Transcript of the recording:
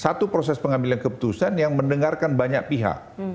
satu proses pengambilan keputusan yang mendengarkan banyak pihak